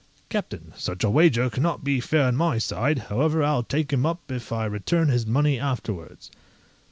CAPTAIN Such a wager cannot be fair on my side; however, I'll take him up, if I return his money afterwards.